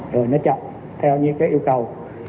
rồi nó chậm theo những cái yêu cầu